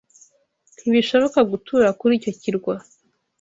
Ntibishoboka gutura kuri icyo kirwa